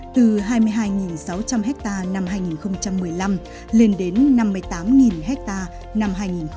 từ hai mươi hai sáu trăm linh ha năm hai nghìn một mươi năm lên đến năm mươi tám ha năm hai nghìn hai mươi ba